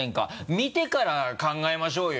見てから考えましょうよ！